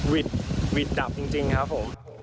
วิดดับจริงครับผม